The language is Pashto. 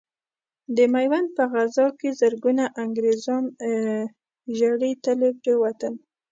د ميوند په غزا کې زرګونه انګرېزان ژړې تلې پرې وتل.